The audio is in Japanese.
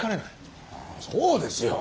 そうですよ。